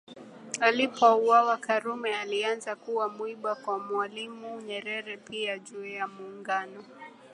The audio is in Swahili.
Alipouawa Karume alianza kuwa mwiba kwa Mwalimu Nyerere pia juu ya Muungano